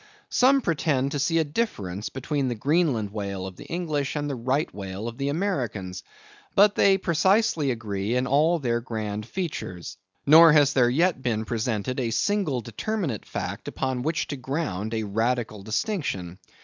Some pretend to see a difference between the Greenland whale of the English and the right whale of the Americans. But they precisely agree in all their grand features; nor has there yet been presented a single determinate fact upon which to ground a radical distinction.